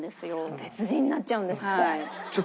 別人になっちゃうんですって。